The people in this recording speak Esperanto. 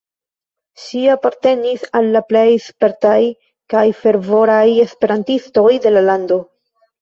Ŝi apartenis al la plej spertaj kaj fervoraj esperantistoj de la lando".